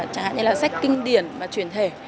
chẳng hạn như là sách kinh điển và truyền thể